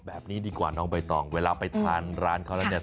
แบบนี้ดีกว่าน้องใบตองเวลาไปทานร้านเขาแล้วเนี่ย